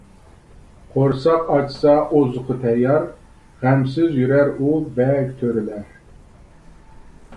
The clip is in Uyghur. قورساق ئاچسا ئوزۇقى تەييار، غەمسىز يۈرەر ئۇ «بەگ-تۆرىلەر» .